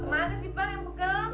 makasih bang yang buka